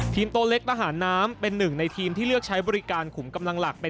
ทีมโตเล็กทหารน้ำเป็นหนึ่งในทีม